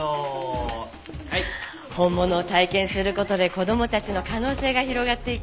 本物を体験する事で子供たちの可能性が広がっていく。